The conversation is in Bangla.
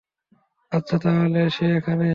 আচ্ছা, তাহলে সে এখানে।